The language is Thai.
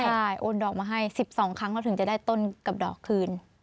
ใช่โอนดอกมาให้๑๒ครั้งเราถึงจะได้ต้นกับดอกคืน